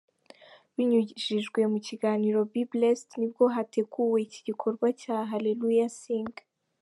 Binyujijwe mu kiganiro Be Blessed nibwo hateguwe iki gikorwa cya Hallelujah Sing.